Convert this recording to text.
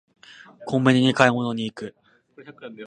コンビニに買い物に行く